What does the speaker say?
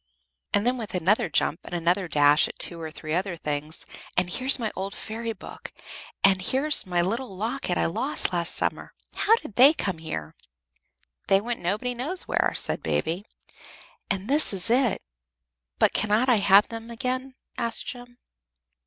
And then, with another jump and another dash at two or three other things, "And here's my old fairy book! And here's my little locket I lost last summer! How did they come here?" "They went Nobody knows where," said Baby. "And this is it." "But cannot I have them again?" asked Jem.